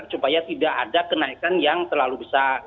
supaya tidak ada kenaikan yang terlalu besar